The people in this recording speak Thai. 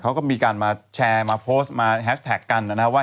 เขาก็มีการมาแชร์มาโพสต์มาแฮสแท็กกันนะครับว่า